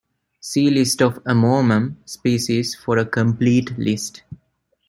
"See List of "Amomum" species for a complete list.